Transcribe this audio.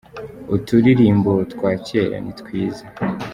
Uturirimbo twa kera ni twiza.